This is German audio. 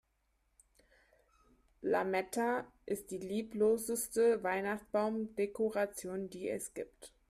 Lametta ist die liebloseste Weihnachtsbaumdekoration, die es gibt.